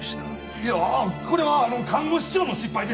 いやあこれは看護師長の失敗でして。